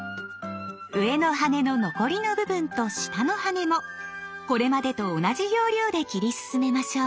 上の羽の残りの部分と下の羽もこれまでと同じ要領で切り進めましょう。